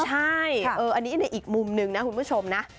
ใช่อันนี้ในอีกมุมหนึ่งนะคุณผู้ชมนะ